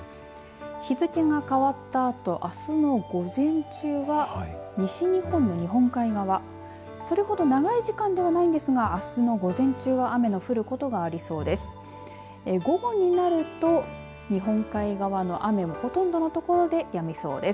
日付が変わったあとあすの午前中は西日本の日本海側それほど長い時間ではないんですがあすの午前中は雨の降ることがありそうです。